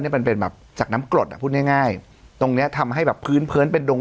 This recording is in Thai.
มันเป็นแบบจากน้ำกรดอ่ะพูดง่ายง่ายตรงเนี้ยทำให้แบบพื้นพื้นเป็นดง